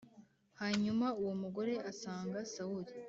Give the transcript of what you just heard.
hanyuma uwo mugore asanga sawuli